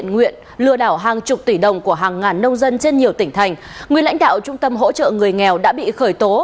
nguyên lãnh đạo trung tâm hỗ trợ người nghèo đã bị khởi tố